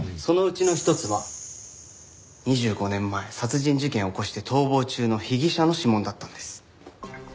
そのうちの一つは２５年前殺人事件を起こして逃亡中の被疑者の指紋だったんです。